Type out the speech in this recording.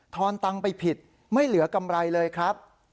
อนตังค์ไปผิดไม่เหลือกำไรเลยครับ